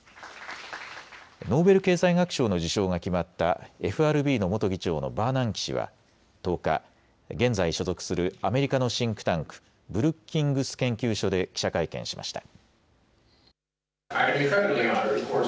ノーベル経済学賞の受賞が決まったＦＲＢの元議長のバーナンキ氏は１０日、現在所属するアメリカのシンクタンク、ブルッキングス研究所で記者会見しました。